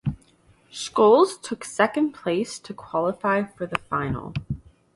Schulz took second place to qualify for the final.